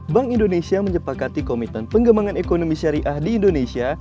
bank indonesia menyepakati komitmen pengembangan ekonomi syariah di indonesia